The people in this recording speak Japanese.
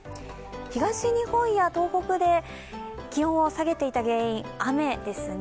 東日本や東北で気温を下げていた原因、雨ですね。